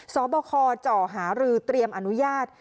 สบคจหารือเตรียมอนุญาต